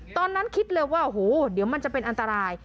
ตอนนั้นคิดเลยว่าโอ้โหเดี๋ยวมันจะเป็นอันตราย